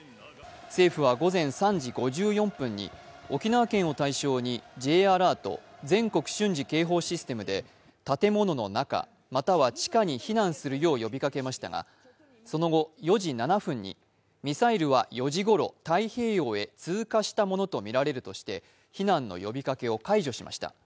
政府は午前３時５４分に沖縄県を対象にＪアラート＝全国瞬時警報システムで建物の中、または地下に避難するよう呼びかけましたがその後、４時７分に、ミサイルは４時ごろ、太平洋へ通過したものとみられるとして避難の呼びかけを解除しました。